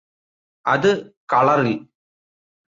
അത് കളറില്